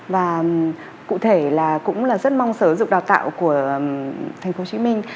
và cụ thể là cũng rất mong sở dụng đào tạo của thành phố hồ chí minh